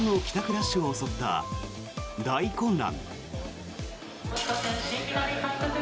ラッシュを襲った大混乱。